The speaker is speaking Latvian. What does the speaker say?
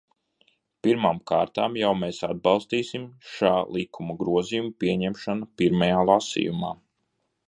Pirmām kārtām jau mēs atbalstīsim šā likuma grozījumu pieņemšanu pirmajā lasījumā.